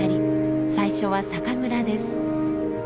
最初は「酒蔵」です。